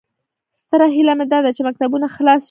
ستره هیله مې داده چې مکتبونه خلاص شي